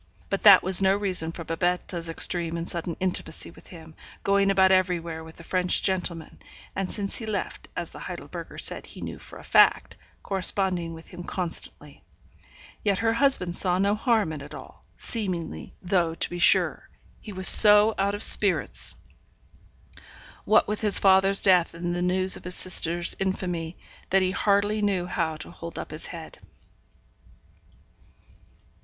But that was no reason for Babette's extreme and sudden intimacy with him, going about everywhere with the French gentleman; and since he left (as the Heidelberger said he knew for a fact) corresponding with him constantly. Yet her husband saw no harm in it all, seemingly; though, to be sure, he was so out of spirits, what with his father's death and the news of his sister's infamy, that he hardly knew how to hold up his head.